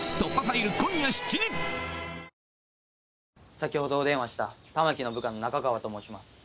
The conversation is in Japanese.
先ほどお電話した玉木の部下の中川と申します。